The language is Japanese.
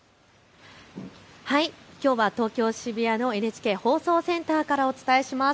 きょうは東京渋谷のＮＨＫ放送センターからお伝えします。